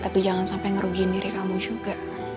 tapi jangan sampai ngerugiin diri kamu juga